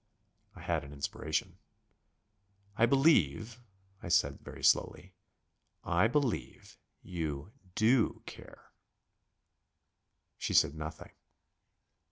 I had an inspiration. "I believe," I said, very slowly, "I believe ... you do care...." She said nothing.